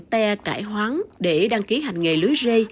te cải hoáng để đăng ký hành nghề lưới rê